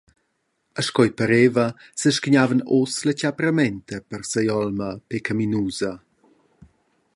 E sco ei pareva sescagnava ussa la tgapramenta per si’olma peccaminusa.